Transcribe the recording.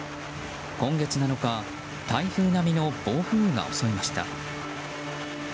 今月７日台風並みの暴風雨が襲いました。